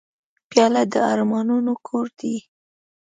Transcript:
پیاله د ارمانونو کور دی.